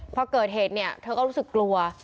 พอเกิดเหตุเนี่ยเธอก็รู้สึกกลัว